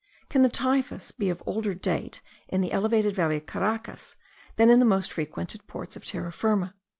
Can the typhus be of older date in the elevated valley of Caracas, than in the most frequented ports of Terra Firma.